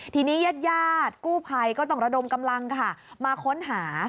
ทีนี้ยาดกู้ไภก็ต้องระดมกำลังมาค้นหา